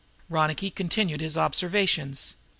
Ronicky continued his observations.